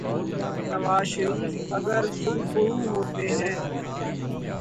نواز شریف اگر سرخرو ہوتے ہیں۔